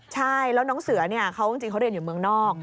ใช่แล้วน้องเสือเนี่ยเขาจริงเขาเรียนอยู่เมืองนอก